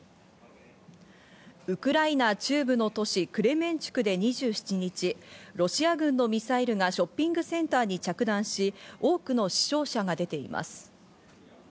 ウクライナ中部の都市クレメンチュクで２７日、ロシア軍のミサイルがショッピングセンターに着弾し、多くの死傷者が出ています。